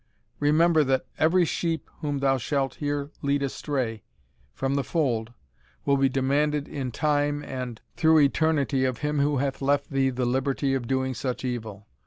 Remember, that every sheep whom thou shalt here lead astray from the fold, will be demanded in time and through eternity of him who hath left thee the liberty of doing such evil.